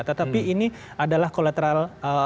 tetapi ini adalah kolateral